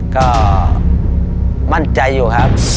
ก็มั่นใจอยู่ครับ